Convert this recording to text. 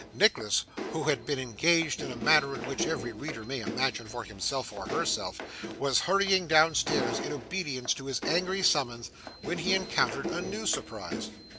Nicholas, who had been engaged in a manner in which every reader may imagine for himself or herself, was hurrying downstairs in obedience to his angry summons, when he encountered a new surprise.